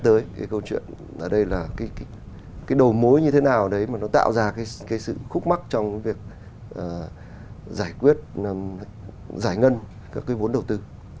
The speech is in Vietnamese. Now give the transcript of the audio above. cái câu chuyện ở đây là cái đầu mối như thế nào đấy mà nó tạo ra cái sự khúc mắc trong cái việc giải quyết giải ngân các cái vốn đầu tư